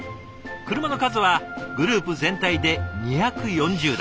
車の数はグループ全体で２４０台。